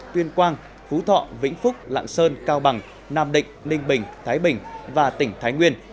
tuyên quang phú thọ vĩnh phúc lạng sơn cao bằng nam định ninh bình thái bình và tỉnh thái nguyên